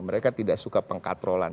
mereka tidak suka pengkatrolan